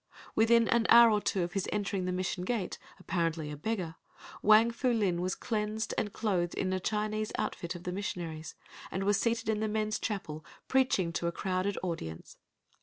Within an hour or two of his entering the Mission gate, apparently a beggar, Wang Fu Lin was cleansed and clothed in a Chinese outfit of the missionary's, and was seated in the men's chapel preaching to a crowded audience.